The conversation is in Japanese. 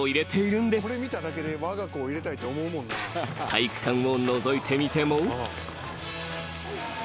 ［体育館をのぞいてみても］